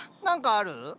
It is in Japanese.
何かある？